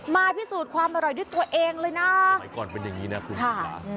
พิสูจน์ความอร่อยด้วยตัวเองเลยนะสมัยก่อนเป็นอย่างนี้นะคุณค่ะ